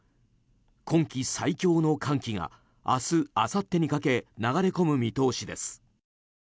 今季最強の寒気が明日、あさってにかけ流れ込む見通しです。